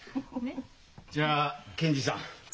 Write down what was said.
じゃあ検事さん。